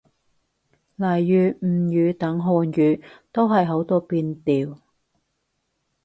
例如吳語等漢語，都係好多變調